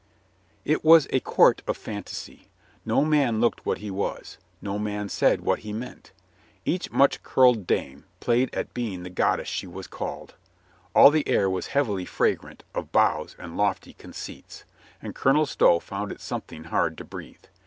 , TT was a court of fantasy. No man looked what he * was. No man said what he meant. Each much curled dame played at being the goddess she was called. All the air was heavily fragrant of bows and lofty conceits, and Colonel Stow found it some thing hard to breathe.